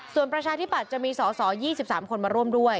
ส่วนประชาธิบัตรจะมีสสยี่สิบสามคนมาร่วมด้วย